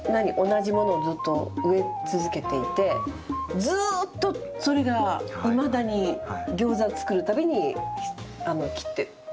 同じものをずっと植え続けていてずっとそれがいまだにギョーザ作るたびに切って。